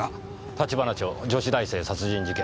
「橘町女子大生殺人事件」